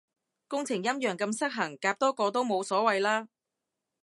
工程陰陽咁失衡，夾多個都冇所謂啦